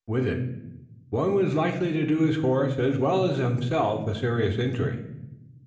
With it one was likely to do his horse as well as himself a serious injury.